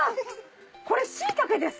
これシイタケですか？